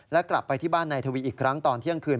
และกลับไปที่บ้านนายทวีอีกครั้งตอนเที่ยงคืน